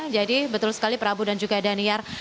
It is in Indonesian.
betul sekali prabu dan juga daniar